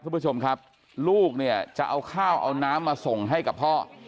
คุณผู้ชมครับลูกเนี่ยจะเอาข้าวเอาน้ำมาส่งให้กับพ่อ